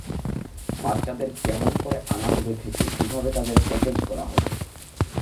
বাচ্চাদের কেমন করে আনা হবে থেকে কীভাবে তাদের প্যাকেজ করা হবে।